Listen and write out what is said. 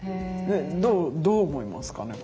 どう思いますかね？